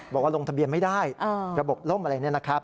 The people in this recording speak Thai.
บอกว่าลงทะเบียนไม่ได้ระบบล่มอะไรเนี่ยนะครับ